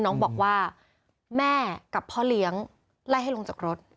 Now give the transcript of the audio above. น้องบอกว่าแม่กับพ่อเลี้ยงไล่ให้ลงจากรถ